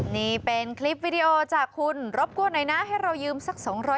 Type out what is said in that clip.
นี่เป็นคลิปวิดีโอจากคุณรบกวนหน่อยนะให้เรายืมสัก๒๐๐